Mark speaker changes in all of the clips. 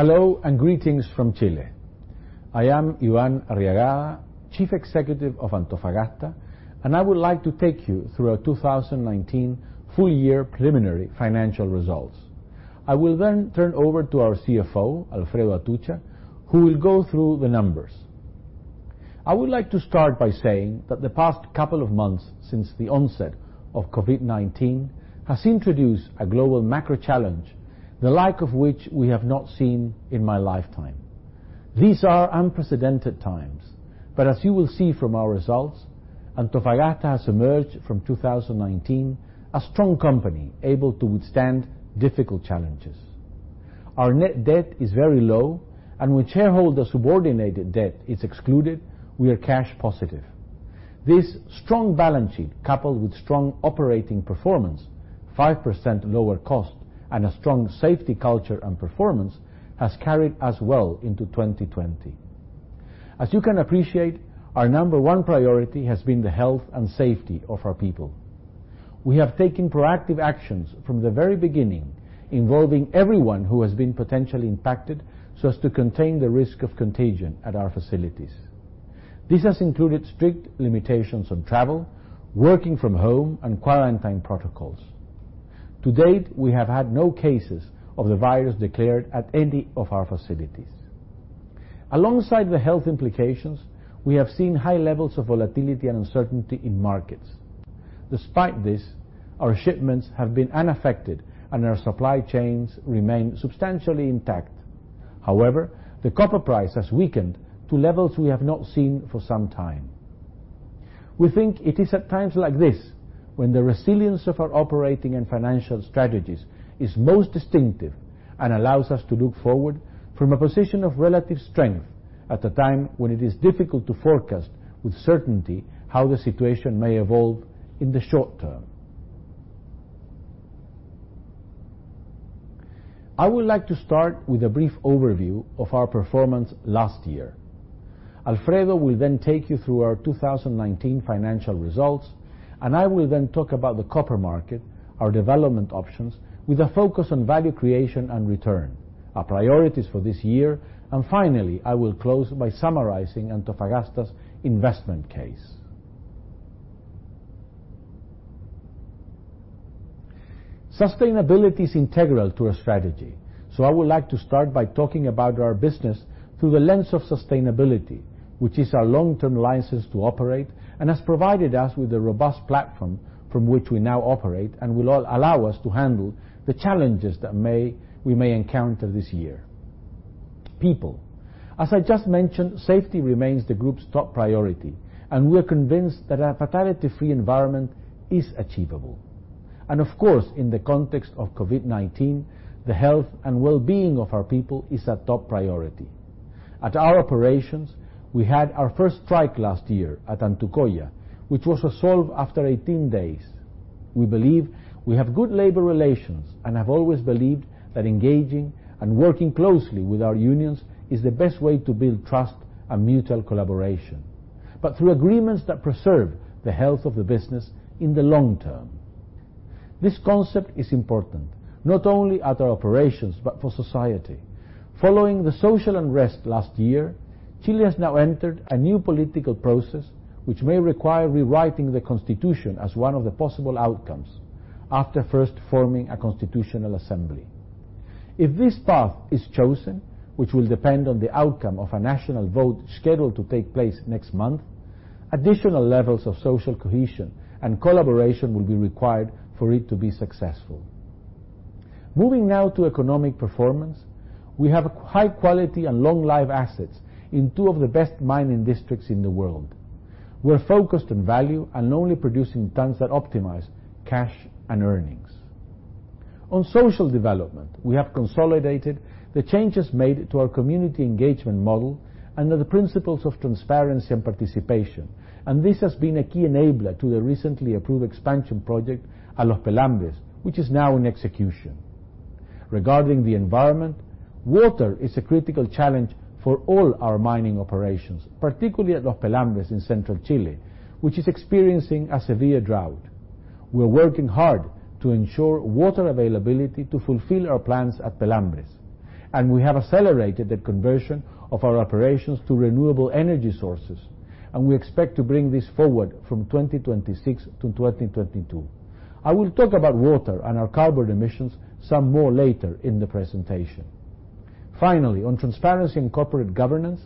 Speaker 1: Hello and greetings from Chile. I am Iván Arriagada, Chief Executive of Antofagasta, and I would like to take you through our 2019 full year preliminary financial results. I will turn over to our CFO, Alfredo Atucha, who will go through the numbers. I would like to start by saying that the past couple of months since the onset of COVID-19 has introduced a global macro challenge, the like of which we have not seen in my lifetime. These are unprecedented times, as you will see from our results, Antofagasta has emerged from 2019 a strong company able to withstand difficult challenges. Our net debt is very low, when shareholder subordinated debt is excluded, we are cash positive. This strong balance sheet, coupled with strong operating performance, 5% lower cost, and a strong safety culture and performance, has carried us well into 2020. As you can appreciate, our number one priority has been the health and safety of our people. We have taken proactive actions from the very beginning, involving everyone who has been potentially impacted, so as to contain the risk of contagion at our facilities. This has included strict limitations on travel, working from home, and quarantine protocols. To date, we have had no cases of the virus declared at any of our facilities. Alongside the health implications, we have seen high levels of volatility and uncertainty in markets. Despite this, our shipments have been unaffected, and our supply chains remain substantially intact. However, the copper price has weakened to levels we have not seen for some time. We think it is at times like this when the resilience of our operating and financial strategies is most distinctive and allows us to look forward from a position of relative strength at a time when it is difficult to forecast with certainty how the situation may evolve in the short term. I would like to start with a brief overview of our performance last year. Alfredo will then take you through our 2019 financial results, and I will then talk about the copper market, our development options, with a focus on value creation and return, our priorities for this year, and finally, I will close by summarizing Antofagasta's investment case. Sustainability is integral to our strategy, so I would like to start by talking about our business through the lens of sustainability, which is our long-term license to operate and has provided us with a robust platform from which we now operate and will allow us to handle the challenges that we may encounter this year. People. As I just mentioned, safety remains the group's top priority, and we're convinced that a fatality-free environment is achievable. Of course, in the context of COVID-19, the health and wellbeing of our people is a top priority. At our operations, we had our first strike last year at Antucoya, which was resolved after 18 days. We believe we have good labor relations and have always believed that engaging and working closely with our unions is the best way to build trust and mutual collaboration, but through agreements that preserve the health of the business in the long term. This concept is important, not only at our operations, but for society. Following the social unrest last year, Chile has now entered a new political process, which may require rewriting the Constitution as one of the possible outcomes after first forming a constitutional assembly. If this path is chosen, which will depend on the outcome of a national vote scheduled to take place next month, additional levels of social cohesion and collaboration will be required for it to be successful. Moving now to economic performance, we have high-quality and long-life assets in two of the best mining districts in the world. We're focused on value and only producing tons that optimize cash and earnings. On social development, we have consolidated the changes made to our community engagement model under the principles of transparency and participation. This has been a key enabler to the recently approved expansion project at Los Pelambres, which is now in execution. Regarding the environment, water is a critical challenge for all our mining operations, particularly at Los Pelambres in Central Chile, which is experiencing a severe drought. We're working hard to ensure water availability to fulfill our plans at Pelambres. We have accelerated the conversion of our operations to renewable energy sources. We expect to bring this forward from 2026-2032. I will talk about water and our carbon emissions some more later in the presentation. Finally, on transparency and corporate governance,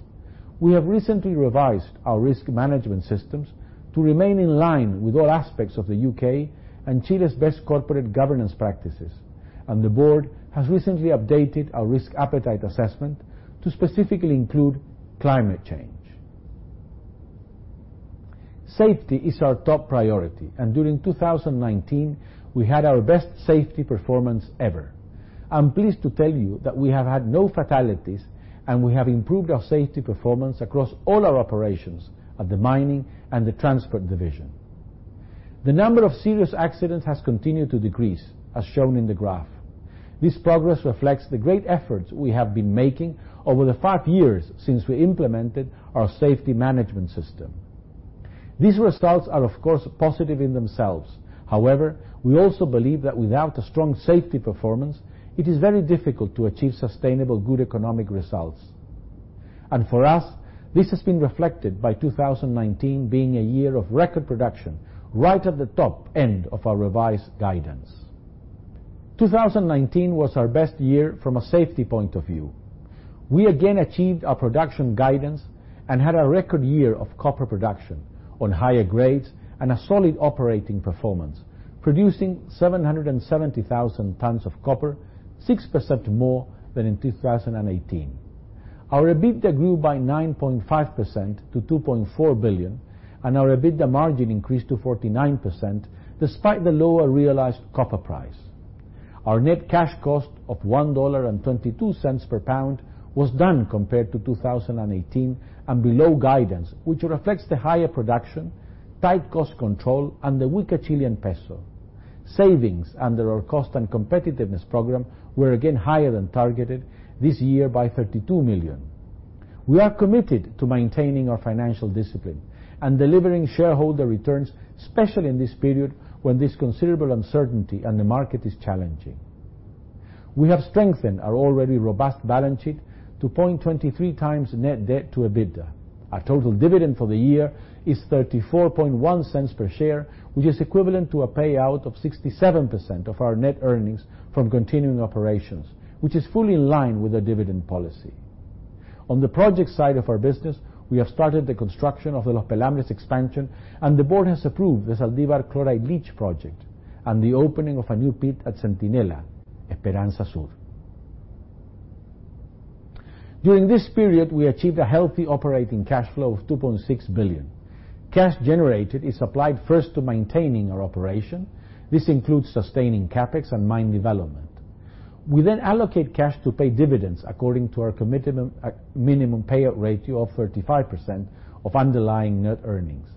Speaker 1: we have recently revised our risk management systems to remain in line with all aspects of the U.K. and Chile's best corporate governance practices, and the board has recently updated our risk appetite assessment to specifically include climate change. Safety is our top priority, and during 2019, we had our best safety performance ever. I'm pleased to tell you that we have had no fatalities, and we have improved our safety performance across all our operations at the mining and the transport division. The number of serious accidents has continued to decrease, as shown in the graph. This progress reflects the great efforts we have been making over the five years since we implemented our safety management system. These results are, of course, positive in themselves. However, we also believe that without a strong safety performance, it is very difficult to achieve sustainable good economic results. For us, this has been reflected by 2019 being a year of record production, right at the top end of our revised guidance. 2019 was our best year from a safety point of view. We again achieved our production guidance and had a record year of copper production on higher grades and a solid operating performance, producing 770,000 tons of copper, 6% more than in 2018. Our EBITDA grew by 9.5% to $2.4 billion, and our EBITDA margin increased to 49%, despite the lower realized copper price. Our net cash cost of $1.22 per lb was down compared to 2018 and below guidance, which reflects the higher production, tight cost control, and the weaker Chilean peso. Savings under our cost and competitiveness program were again higher than targeted, this year by $32 million. We are committed to maintaining our financial discipline and delivering shareholder returns, especially in this period when there's considerable uncertainty and the market is challenging. We have strengthened our already robust balance sheet to 0.23x net debt to EBITDA. Our total dividend for the year is $0.341 per share, which is equivalent to a payout of 67% of our net earnings from continuing operations, which is fully in line with the dividend policy. On the project side of our business, we have started the construction of the Los Pelambres expansion, and the board has approved the Zaldívar Chloride Leach Project and the opening of a new pit at Centinela, Esperanza Sur. During this period, we achieved a healthy operating cash flow of $2.6 billion. Cash generated is applied first to maintaining our operation. This includes sustaining CapEx and mine development. We then allocate cash to pay dividends according to our committed minimum payout ratio of 35% of underlying net earnings.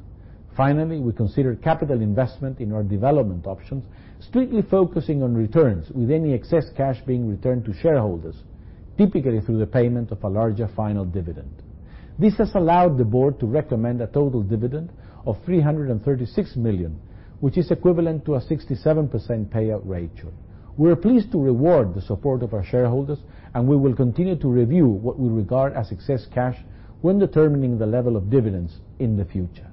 Speaker 1: Finally, we consider capital investment in our development options, strictly focusing on returns, with any excess cash being returned to shareholders, typically through the payment of a larger final dividend. This has allowed the board to recommend a total dividend of $336 million, which is equivalent to a 67% payout ratio. We're pleased to reward the support of our shareholders, and we will continue to review what we regard as excess cash when determining the level of dividends in the future.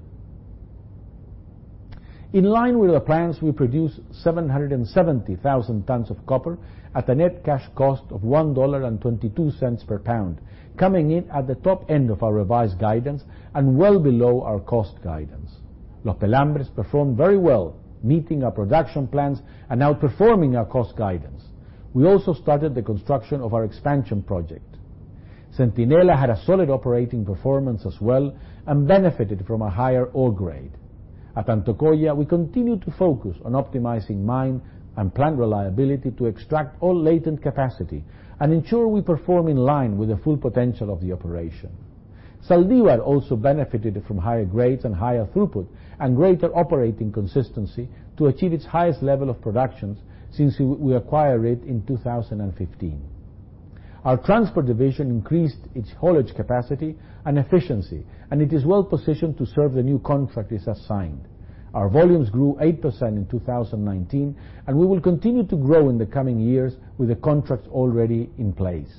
Speaker 1: In line with our plans, we produced 770,000 tons of copper at a net cash cost of $1.22 per lb, coming in at the top end of our revised guidance and well below our cost guidance. Los Pelambres performed very well, meeting our production plans and outperforming our cost guidance. We also started the construction of our expansion project. Centinela had a solid operating performance as well and benefited from a higher ore grade. At Antucoya, we continued to focus on optimizing mine and plant reliability to extract all latent capacity and ensure we perform in line with the full potential of the operation. Zaldívar also benefited from higher grades and higher throughput, and greater operating consistency to achieve its highest level of production since we acquired it in 2015. Our transport division increased its haulage capacity and efficiency, and it is well positioned to serve the new contract it has signed. Our volumes grew 8% in 2019, and we will continue to grow in the coming years with the contracts already in place.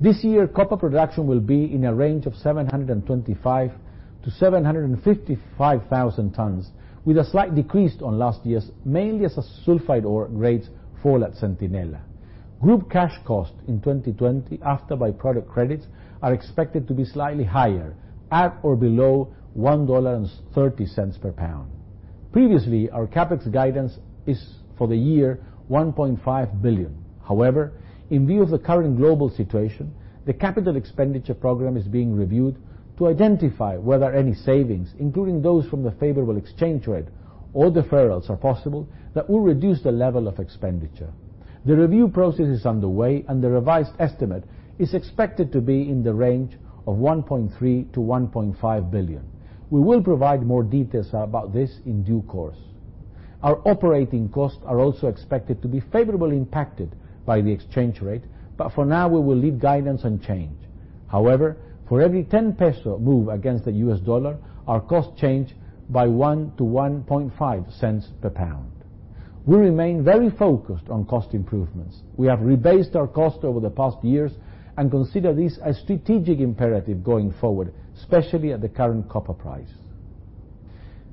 Speaker 1: This year, copper production will be in a range of 725-755,000 tons, with a slight decrease on last year's, mainly as a sulfide ore grades fall at Centinela. Group cash costs in 2020, after by-product credits, are expected to be slightly higher, at or below $1.30 per lb. Previously, our CapEx guidance is for the year $1.5 billion. However, in view of the current global situation, the capital expenditure program is being reviewed to identify whether any savings, including those from the favorable exchange rate or deferrals, are possible that will reduce the level of expenditure. The review process is underway, and the revised estimate is expected to be in the range of $1.3 billion-$1.5 billion. We will provide more details about this in due course. Our operating costs are also expected to be favorably impacted by the exchange rate, but for now, we will leave guidance unchanged. However, for every 10 peso move against the US dollar, our costs change by $0.01-$0.015 per lb. We remain very focused on cost improvements. We have rebased our cost over the past years and consider this a strategic imperative going forward, especially at the current copper price.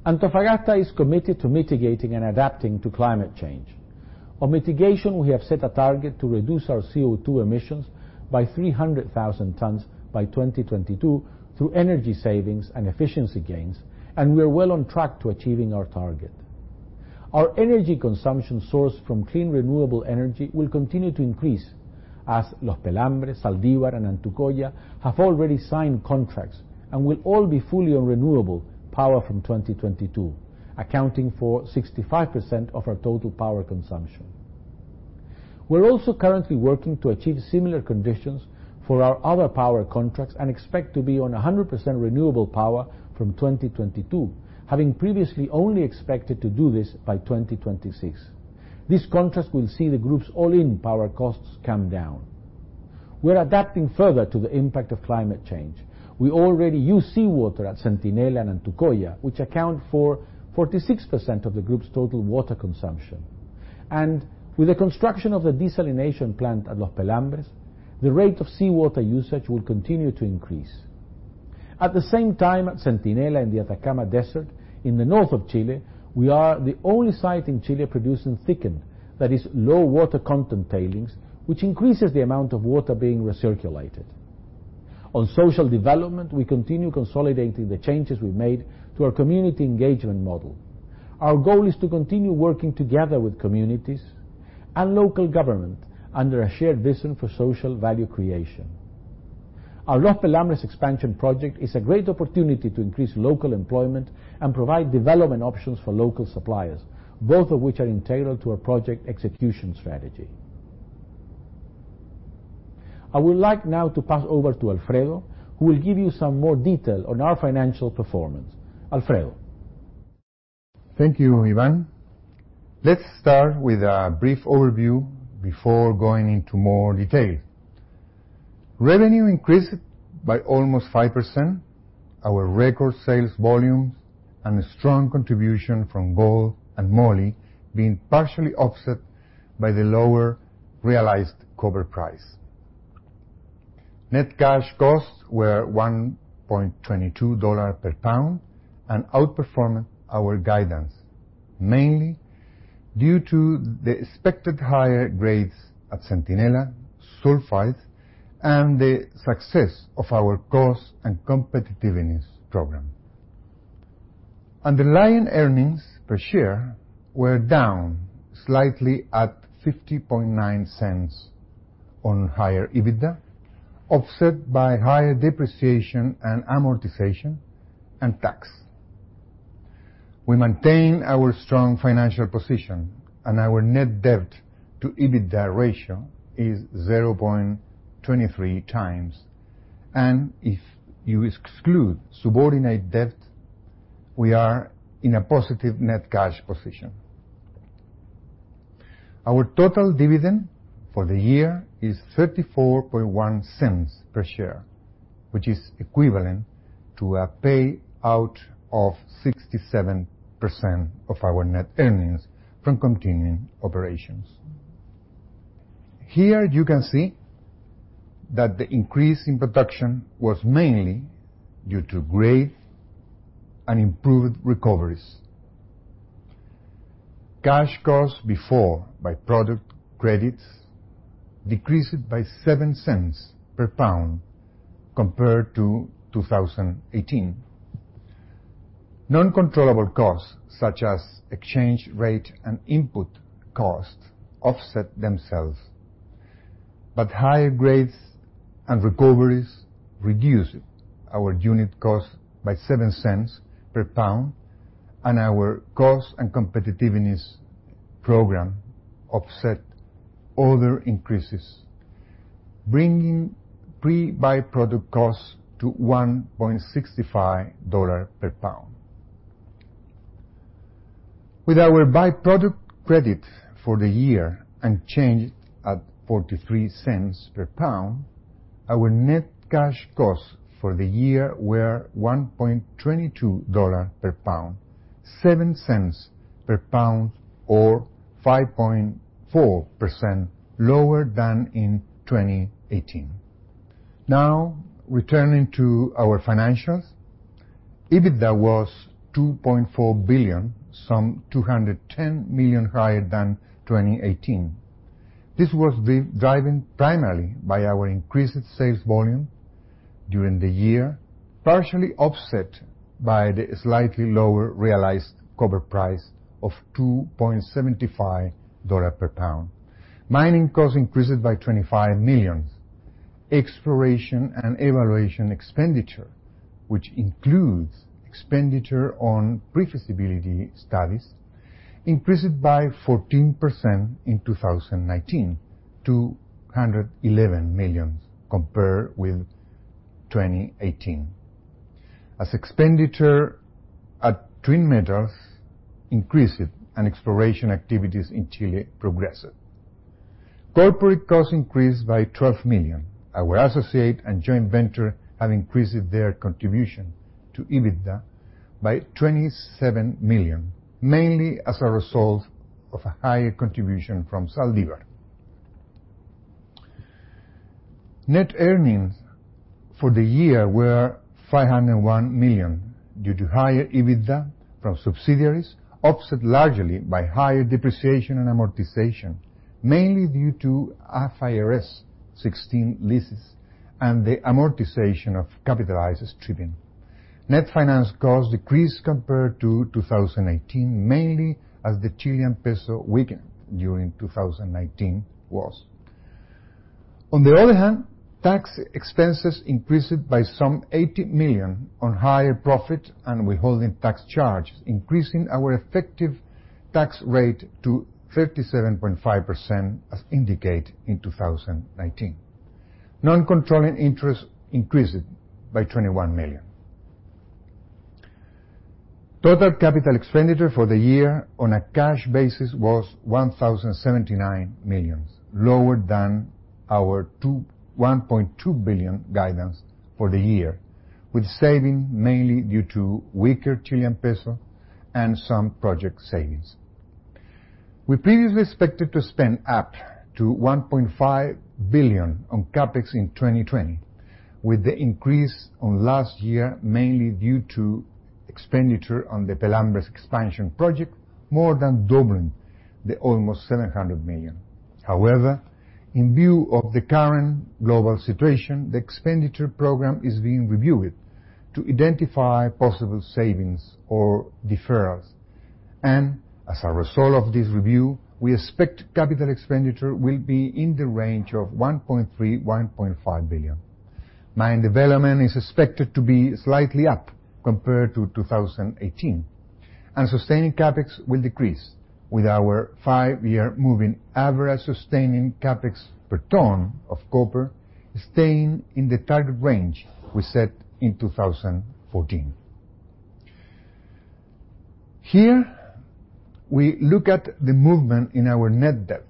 Speaker 1: Antofagasta is committed to mitigating and adapting to climate change. On mitigation, we have set a target to reduce our CO2 emissions by 300,000 tons by 2022 through energy savings and efficiency gains, and we are well on track to achieving our target. Our energy consumption sourced from clean, renewable energy will continue to increase as Los Pelambres, Zaldívar, and Antucoya have already signed contracts and will all be fully on renewable power from 2022, accounting for 65% of our total power consumption. We're also currently working to achieve similar conditions for our other power contracts and expect to be on 100% renewable power from 2022, having previously only expected to do this by 2026. This contract will see the group's all-in power costs come down. We're adapting further to the impact of climate change. We already use seawater at Centinela and Antucoya, which account for 46% of the group's total water consumption. With the construction of the desalination plant at Los Pelambres, the rate of seawater usage will continue to increase. At the same time, at Centinela, in the Atacama Desert in the north of Chile, we are the only site in Chile producing thickened, that is low water content tailings, which increases the amount of water being recirculated. On social development, we continue consolidating the changes we've made to our community engagement model. Our goal is to continue working together with communities and local government under a shared vision for social value creation. Our Los Pelambres expansion project is a great opportunity to increase local employment and provide development options for local suppliers, both of which are integral to our project execution strategy. I would like now to pass over to Alfredo, who will give you some more detail on our financial performance. Alfredo.
Speaker 2: Thank you, Iván. Let's start with a brief overview before going into more detail. Revenue increased by almost 5%. Our record sales volumes and a strong contribution from gold and moly being partially offset by the lower realized copper price. Net cash costs were $1.22 per lb and outperforming our guidance, mainly due to the expected higher grades at Centinela sulfide and the success of our cost and competitiveness program. Underlying earnings per share were down slightly at $0.509 on higher EBITDA, offset by higher depreciation and amortization and tax. We maintain our strong financial position, and our net debt to EBITDA ratio is 0.23x. If you exclude subordinate debt, we are in a positive net cash position. Our total dividend for the year is $0.341 per share, which is equivalent to a payout of 67% of our net earnings from continuing operations. Here you can see that the increase in production was mainly due to grade and improved recoveries. Cash costs before by-product credits decreased by $0.07 per lb compared to 2018. Non-controllable costs, such as exchange rate and input costs, offset themselves. Higher grades and recoveries reduced our unit cost by $0.07 per lb, and our cost and competitiveness program offset other increases, bringing pre-by-product costs to $1.65 per lb. With our by-product credit for the year unchanged at $0.43 per lb, our net cash costs for the year were $1.22 per lb, $0.07 per lb or 5.4% lower than in 2018. Now, returning to our financials. EBITDA was $2.4 billion, some $210 million higher than 2018. This was driven primarily by our increased sales volume during the year, partially offset by the slightly lower realized copper price of $2.75 per lb. Mining costs increased by $25 million. Exploration and evaluation expenditure, which includes expenditure on pre-feasibility studies, increased by 14% in 2019 to $111 million compared with 2018, as expenditure at Twin Metals increased and exploration activities in Chile progressed. Corporate costs increased by $12 million. Our associates and joint ventures have increased their contribution to EBITDA by $27 million, mainly as a result of a higher contribution from Zaldívar. Net earnings for the year were $501 million due to higher EBITDA from subsidiaries, offset largely by higher depreciation and amortization, mainly due to IFRS 16 leases and the amortization of capitalized stripping. Net finance costs decreased compared to 2018, mainly as the Chilean peso weakened during 2019. On the other hand, tax expenses increased by some $80 million on higher profit and withholding tax charges, increasing our effective tax rate to 37.5% as indicated in 2019. Non-controlling interests increased by $21 million. Total capital expenditure for the year on a cash basis was $1,079 million, lower than our $1.2 billion guidance for the year, with saving mainly due to weaker Chilean peso and some project savings. We previously expected to spend up to $1.5 billion on CapEx in 2020, with the increase on last year mainly due to expenditure on the Pelambres expansion project, more than doubling the almost $700 million. However, in view of the current global situation, the expenditure program is being reviewed to identify possible savings or deferrals. As a result of this review, we expect capital expenditure will be in the range of $1.3 billion-$1.5 billion. Mine development is expected to be slightly up compared to 2018, and sustaining CapEx will decrease with our five-year moving average sustaining CapEx per ton of copper staying in the target range we set in 2014. Here, we look at the movement in our net debt,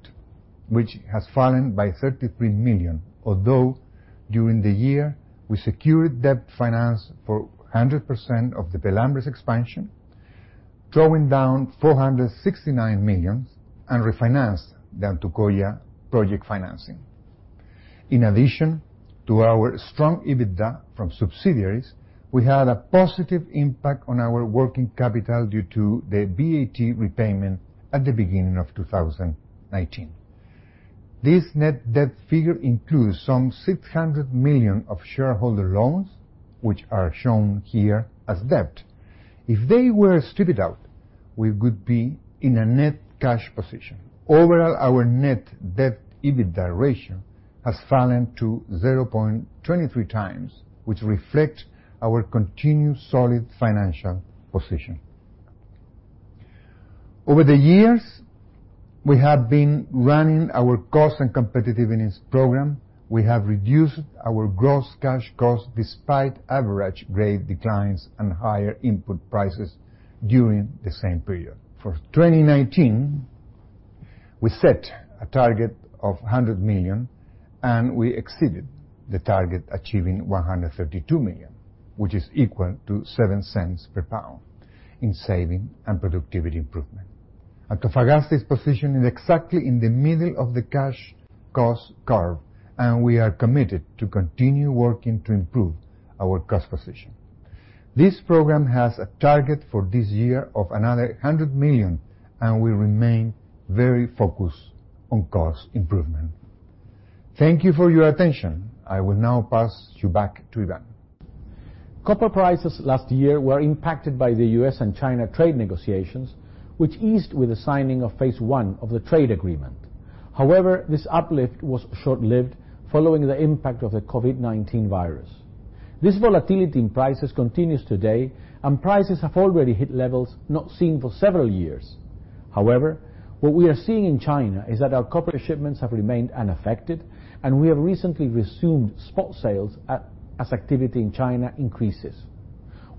Speaker 2: which has fallen by $33 million, although during the year, we secured debt finance for 100% of the Pelambres expansion, drawing down $469 million and refinanced the Antucoya project financing. In addition to our strong EBITDA from subsidiaries, we had a positive impact on our working capital due to the VAT repayment at the beginning of 2019. This net debt figure includes some $600 million of shareholder loans, which are shown here as debt. If they were stripped out, we would be in a net cash position. Overall, our net debt EBITDA ratio has fallen to 0.23x, which reflects our continued solid financial position. Over the years, we have been running our cost and competitiveness program. We have reduced our gross cash cost despite average grade declines and higher input prices during the same period. For 2019, we set a target of $100 million, and we exceeded the target, achieving $132 million, which is equal to $0.07 per lb in saving and productivity improvement. Antofagasta's position is exactly in the middle of the cash cost curve, and we are committed to continue working to improve our cost position. This program has a target for this year of another $100 million, and we remain very focused on cost improvement. Thank you for your attention. I will now pass you back to Iván.
Speaker 1: Copper prices last year were impacted by the U.S. and China trade negotiations, which eased with the signing of phase one of the trade agreement. This uplift was short-lived following the impact of the COVID-19 virus. This volatility in prices continues today. Prices have already hit levels not seen for several years. What we are seeing in China is that our copper shipments have remained unaffected. We have recently resumed spot sales as activity in China increases.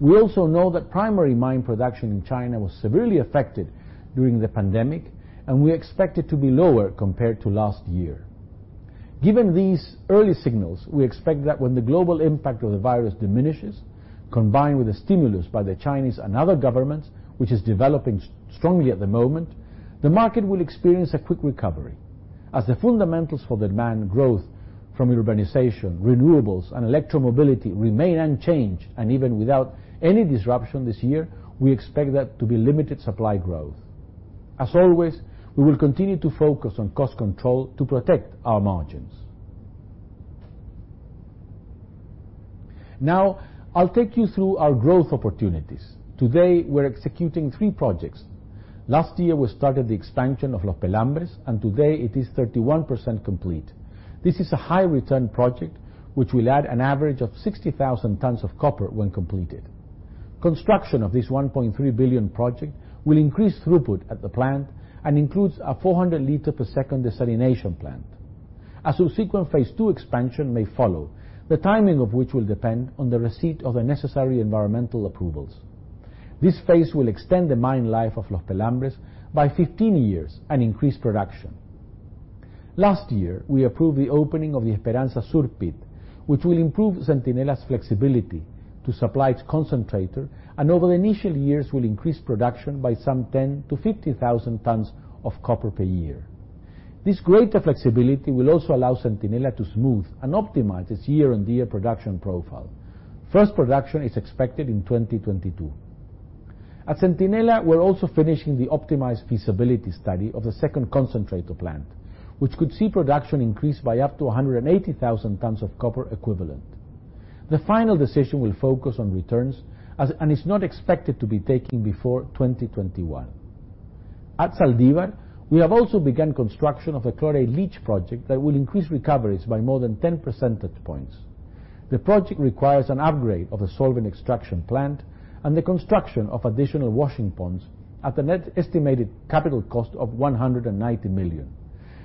Speaker 1: We also know that primary mine production in China was severely affected during the pandemic. We expect it to be lower compared to last year. Given these early signals, we expect that when the global impact of the virus diminishes, combined with the stimulus by the Chinese and other governments, which is developing strongly at the moment, the market will experience a quick recovery. As the fundamentals for demand growth from urbanization, renewables, and electro-mobility remain unchanged, and even without any disruption this year, we expect there to be limited supply growth. As always, we will continue to focus on cost control to protect our margins. I'll take you through our growth opportunities. Today, we're executing three projects. Last year, we started the expansion of Los Pelambres, and today it is 31% complete. This is a high-return project, which will add an average of 60,000 tons of copper when completed. Construction of this $1.3 billion project will increase throughput at the plant and includes a 400 liter per second desalination plant. A subsequent phase two expansion may follow, the timing of which will depend on the receipt of the necessary environmental approvals. This phase will extend the mine life of Los Pelambres by 15 years and increase production. Last year, we approved the opening of the Esperanza Sur pit, which will improve Centinela's flexibility to supply its concentrator, and over the initial years, will increase production by some 10-50,000 tons of copper per year. This greater flexibility will also allow Centinela to smooth and optimize its year-on-year production profile. First production is expected in 2022. At Centinela, we're also finishing the optimized feasibility study of the second concentrator plant, which could see production increase by up to 180,000 tons of copper equivalent. The final decision will focus on returns and is not expected to be taken before 2021. At Zaldívar, we have also begun construction of a chloride leach project that will increase recoveries by more than 10 percentage points. The project requires an upgrade of the solvent extraction plant and the construction of additional washing ponds at a net estimated capital cost of $190 million.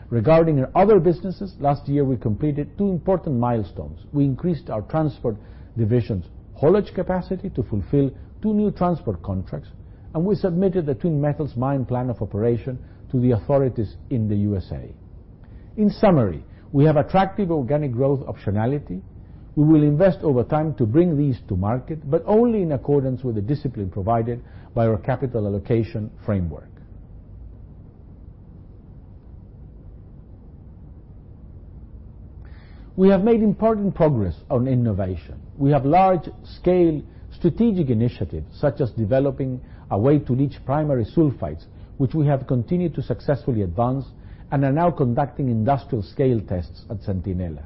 Speaker 1: Regarding our other businesses, last year we completed two important milestones. We increased our transport division's haulage capacity to fulfill two new transport contracts. We submitted the Twin Metals Mine Plan of Operation to the authorities in the USA. In summary, we have attractive organic growth optionality. We will invest over time to bring these to market, but only in accordance with the discipline provided by our capital allocation framework. We have made important progress on innovation. We have large-scale strategic initiatives, such as developing a way to leach primary sulfides, which we have continued to successfully advance and are now conducting industrial scale tests at Centinela.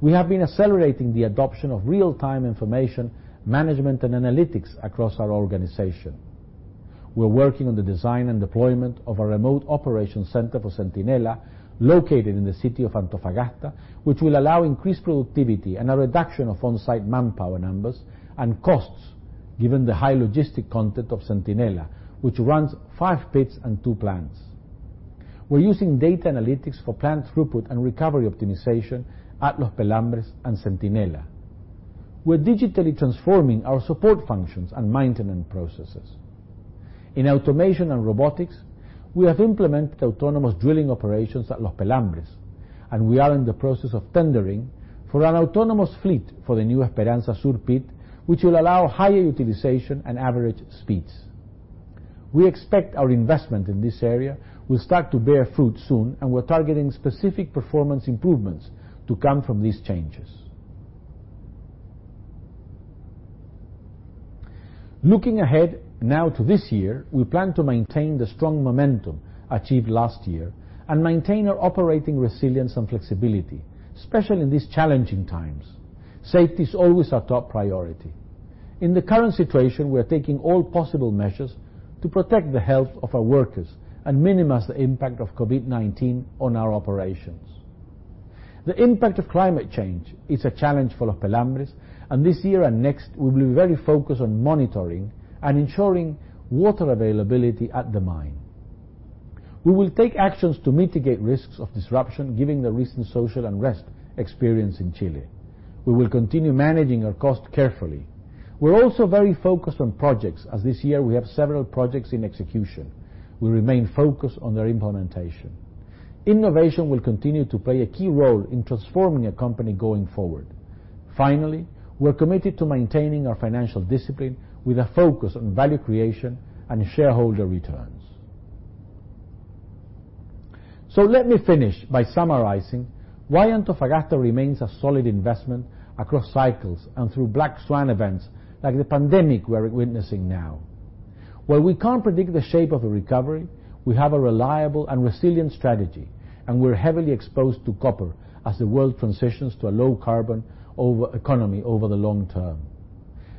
Speaker 1: We have been accelerating the adoption of real-time information management and analytics across our organization. We're working on the design and deployment of a remote operation center for Centinela, located in the city of Antofagasta, which will allow increased productivity and a reduction of on-site manpower numbers and costs, given the high logistic content of Centinela, which runs five pits and two plants. We're using data analytics for plant throughput and recovery optimization at Los Pelambres and Centinela. We're digitally transforming our support functions and maintenance processes. In automation and robotics, we have implemented autonomous drilling operations at Los Pelambres, and we are in the process of tendering for an autonomous fleet for the new Esperanza Sur pit, which will allow higher utilization and average speeds. We expect our investment in this area will start to bear fruit soon, and we're targeting specific performance improvements to come from these changes. Looking ahead now to this year, we plan to maintain the strong momentum achieved last year and maintain our operating resilience and flexibility, especially in these challenging times. Safety is always our top priority. In the current situation, we are taking all possible measures to protect the health of our workers and minimize the impact of COVID-19 on our operations. The impact of climate change is a challenge for Los Pelambres, and this year and next, we will be very focused on monitoring and ensuring water availability at the mine. We will take actions to mitigate risks of disruption, given the recent social unrest experienced in Chile. We will continue managing our costs carefully. We're also very focused on projects, as this year we have several projects in execution. We remain focused on their implementation. Innovation will continue to play a key role in transforming our company going forward. Finally, we're committed to maintaining our financial discipline with a focus on value creation and shareholder returns. Let me finish by summarizing why Antofagasta remains a solid investment across cycles and through black swan events like the pandemic we're witnessing now. While we can't predict the shape of a recovery, we have a reliable and resilient strategy, and we're heavily exposed to copper as the world transitions to a low carbon economy over the long term.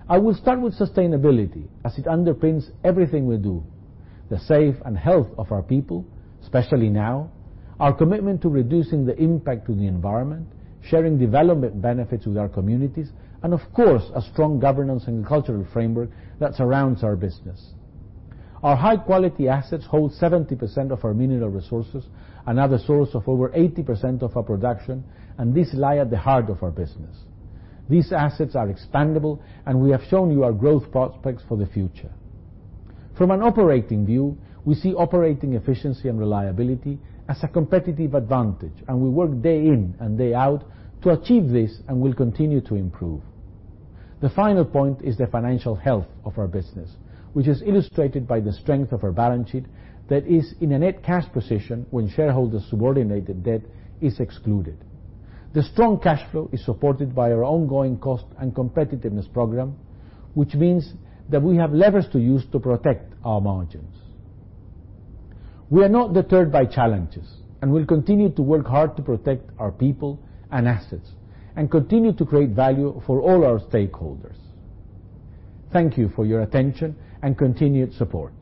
Speaker 1: I will start with sustainability, as it underpins everything we do. The safe and health of our people, especially now, our commitment to reducing the impact to the environment, sharing development benefits with our communities, and of course, a strong governance and cultural framework that surrounds our business. Our high-quality assets hold 70% of our mineral resources and are the source of over 80% of our production. These lie at the heart of our business. These assets are expandable. We have shown you our growth prospects for the future. From an operating view, we see operating efficiency and reliability as a competitive advantage. We work day in and day out to achieve this and will continue to improve. The final point is the financial health of our business, which is illustrated by the strength of our balance sheet that is in a net cash position when shareholder subordinated debt is excluded. The strong cash flow is supported by our ongoing cost and competitiveness program, which means that we have levers to use to protect our margins. We are not deterred by challenges and will continue to work hard to protect our people and assets and continue to create value for all our stakeholders. Thank you for your attention and continued support.